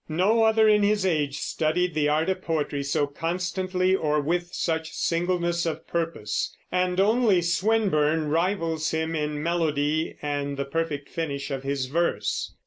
No other in his age studied the art of poetry so constantly or with such singleness of purpose; and only Swinburne rivals him in melody and the perfect finish of his verse.